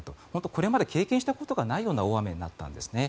これまで経験したことのないような大雨になったんです。